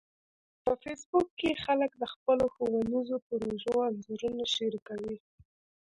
په فېسبوک کې خلک د خپلو ښوونیزو پروژو انځورونه شریکوي